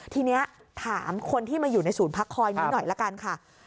ทีนี้ถามคนที่มาอยู่ในศูนย์พักคอยนี้หน่อยละกันค่ะ